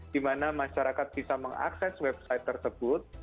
di mana masyarakat bisa mengakses website tersebut